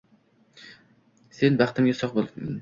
Sen baxtimga sog‘ bo‘lgin!